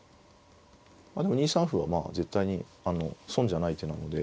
でも２三歩は絶対に損じゃない手なので。